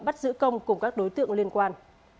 bắt giữ công cùng các đối tượng liên quan